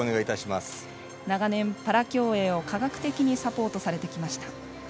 長年、パラ競泳を科学的にサポートされてきました。